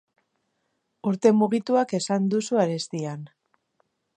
Urte mugituak esan duzu arestian.